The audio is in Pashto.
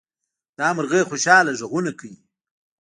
دا مرغۍ خوشحاله غږونه کوي.